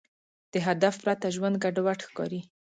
د هدف پرته ژوند ګډوډ ښکاري.